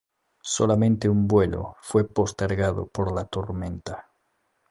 Solamente un vuelo fue postergado por la tormenta.